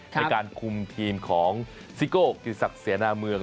ในการคุมทีมของซิโก้กิติศักดิ์เสนาเมือง